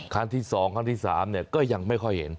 ครั้งที่๒ครั้งที่๓ก็ยังไม่ค่อยเห็น